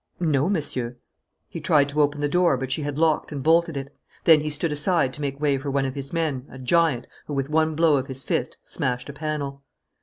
"No, Monsieur." He tried to open the door, but she had locked and bolted it. Then he stood aside to make way for one of his men, a giant, who, with one blow of his fist, smashed a panel.